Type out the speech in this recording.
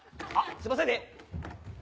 すいませんね。